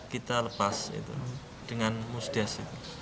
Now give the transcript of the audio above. kita lepas itu dengan musdes